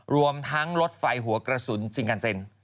รวมทั้งรถไฟหัวกระสุนซิงการเซ็น